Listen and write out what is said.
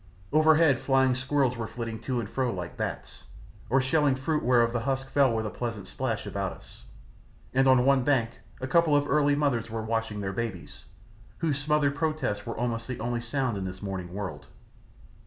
Overhead flying squirrels were flitting to and fro like bats, or shelling fruit whereof the husks fell with a pleasant splash about us, and on one bank a couple of early mothers were washing their babies, whose smothered protests were almost the only sound in this morning world.